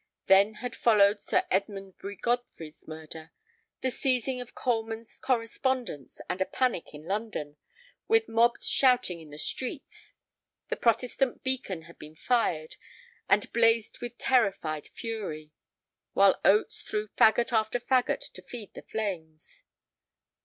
Then had followed Sir Edmundbury Godfrey's murder, the seizing of Coleman's correspondence, and a panic in London, with mobs shouting in the streets. The Protestant beacon had been fired, and blazed with terrified fury, while Oates threw fagot after fagot to feed the flames.